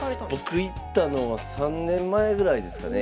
僕行ったのは３年前ぐらいですかね。